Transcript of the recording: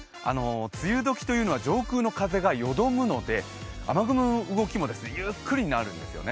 梅雨どきというのは上空の風がよどむので雨雲の動きもゆっくりになるんですよね。